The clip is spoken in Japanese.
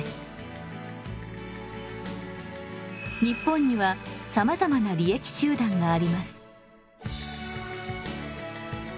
日本にはさまざまな利益集団があります。